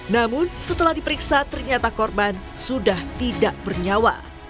namun setelah diperiksa ternyata korban sudah tidak bernyawa